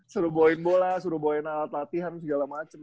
suruh bawain bola suruh bawain alat latihan segala macem